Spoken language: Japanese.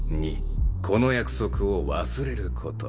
２この約束を忘れること。